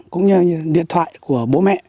cũng như điện thoại của bố mẹ